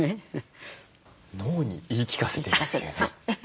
脳に言い聞かせているというね。